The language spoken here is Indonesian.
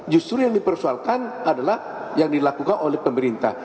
justru yang dipersoalkan adalah yang dilakukan oleh pemerintah